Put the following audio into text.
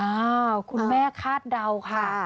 อ้าวคุณแม่คาดเดาค่ะ